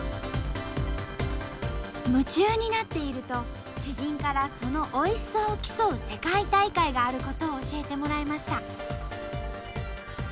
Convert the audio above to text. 夢中になっていると知人からそのおいしさを競う世界大会があることを教えてもらいました。